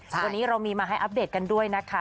วันนี้เรามีมาให้อัปเดตกันด้วยนะคะ